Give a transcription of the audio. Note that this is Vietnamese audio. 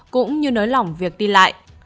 cũng như nới lỏng việc đi lại